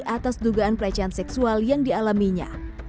atas dugaan pelecehan seksual yang dialaminya